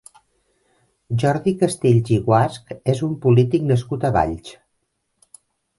Jordi Castells i Guasch és un polític nascut a Valls.